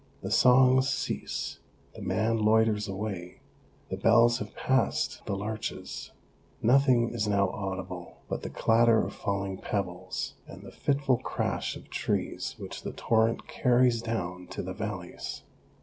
The songs cease, the man loiters away ; the bells have passed the larches ; nothing is now audible but the clatter of falling pebbles and the fitful crash of trees which the torrent carries down to the valleys.